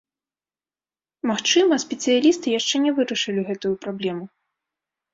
Магчыма, спецыялісты яшчэ не вырашылі гэтую праблему.